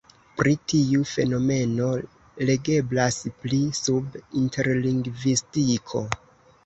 Pri tiu fenomeno legeblas pli sub interlingvistiko.